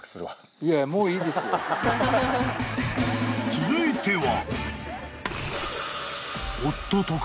［続いては］